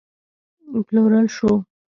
پلورل شو